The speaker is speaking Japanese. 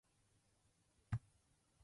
学園祭は楽しいです。